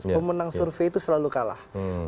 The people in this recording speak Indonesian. pemenang survei itu selalu kalah